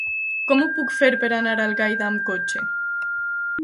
Com ho puc fer per anar a Algaida amb cotxe?